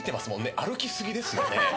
歩きすぎですよね。